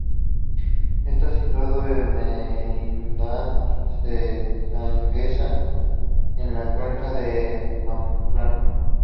Está situado en la Merindad de Sangüesa, en la Cuenca de Pamplona.